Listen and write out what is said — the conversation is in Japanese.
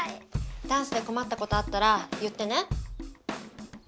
ダンスでこまったことあったら言ってね。